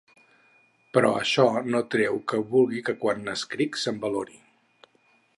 Però això no treu que vulgui que quan escric se’m valori.